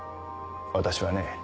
私はね